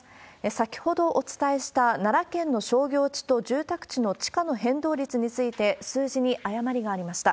先ほどお伝えした奈良県の商業地と住宅地の地価の変動率について、数字に誤りがありました。